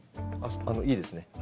いいですね。